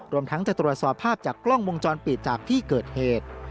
รวมทั้งจะตรวจสอบภาพจากกล้องวงจรปิดจากที่เกิดเหตุ